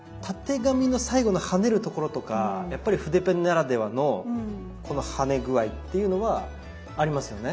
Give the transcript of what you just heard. たてがみの最後のはねるところとかやっぱり筆ペンならではのこのはね具合っていうのはありますよね。